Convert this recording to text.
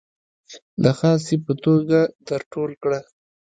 د خاصې په توګه در ټول کړه.